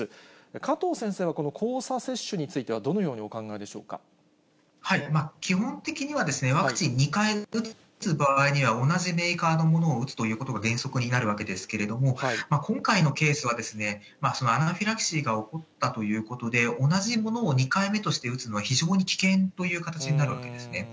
加藤先生はこの交差接種について基本的には、ワクチン２回打つ場合には、同じメーカーのものを打つということが原則になるわけですけれども、今回のケースは、アナフィラキシーが起こったということで、同じものを２回目として打つのは非常に危険という形になるわけですね。